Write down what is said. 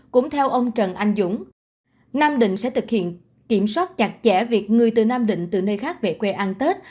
cũng theo ông trần anh dũng nam định sẽ thực hiện kiểm soát chặt chẽ việc người từ nam định từ nơi khác về quê ăn tết